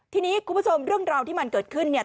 ทีนี้คุณผู้ชมเรื่องราวที่มันเกิดขึ้นเนี่ย